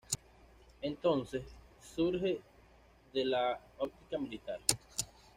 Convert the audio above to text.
Este concepto surge de la óptica militar.